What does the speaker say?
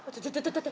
trời trời trời